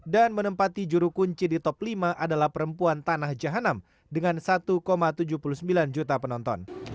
dan penyelidikan yang terkunci di top lima adalah perempuan tanah jahanam dengan satu tujuh puluh sembilan juta penonton